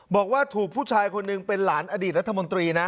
บอกว่าถูกผู้ชายคนหนึ่งเป็นหลานอดีตรัฐมนตรีนะ